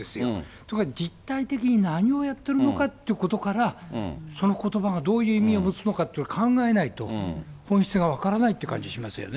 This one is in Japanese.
ところが実態的に何をやってるのかというところから、そのことばがどういう意味を持つのかということを考えないと、本質が分からないって感じしますよね。